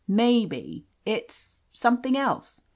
Maybe it's — something else.